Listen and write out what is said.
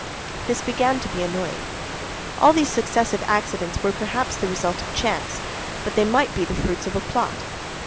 This began to be annoying. All these successive accidents were perhaps the result of chance; but they might be the fruits of a plot.